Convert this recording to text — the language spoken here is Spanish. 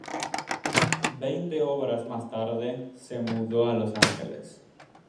Veinte obras más tarde, se mudó a Los Ángeles.